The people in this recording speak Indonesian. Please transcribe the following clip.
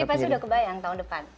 jadi pasti udah kebayang tahun depan